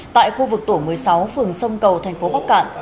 tại khu vực tổ một mươi sáu phường sông cầu thành phố bắc cạn